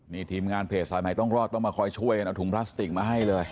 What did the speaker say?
นี่ทีมงานเพจสายใหม่ต้องรอดต้องมาคอยช่วยกันเอาถุงพลาสติกมาให้เลย